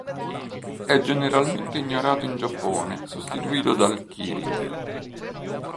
È generalmente ignorato in Giappone, sostituito dal Kirin.